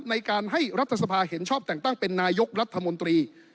ในการให้รัฐสภาเห็นชอบแต่งตั้งเป็นนายกรัฐมนตรี